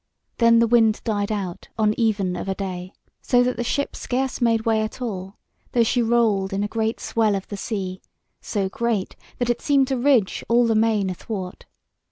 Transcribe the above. Then the wind died out on even of a day, so that the ship scarce made way at all, though she rolled in a great swell of the sea, so great, that it seemed to ridge all the main athwart.